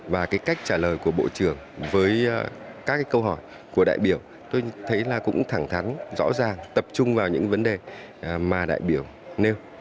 và cái cách trả lời của bộ trưởng với các cái câu hỏi của đại biểu tôi thấy là cũng thẳng thắn rõ ràng tập trung vào những vấn đề mà đại biểu nêu